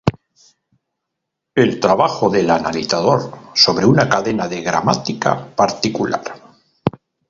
El trabajo del analizador sobre una cadena de gramática particular.